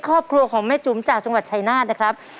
ครอบครัวของแม่จุ๋มจากจังหวัดชายนาฏนะครับ